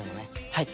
はい。